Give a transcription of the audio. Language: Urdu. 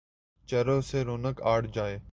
، چہروں سے رونق اڑ جائے ،